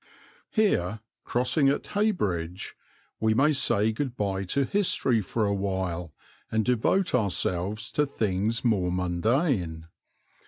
Here, crossing at Heybridge, we may say good bye to history for a while and devote ourselves to things more mundane.